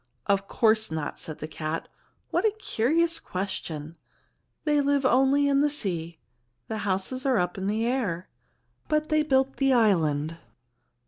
"Of course not," said the cat; "what a curious question. They live only in the sea. The houses are up in the air but they built the island."